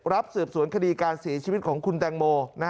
สืบสวนคดีการเสียชีวิตของคุณแตงโม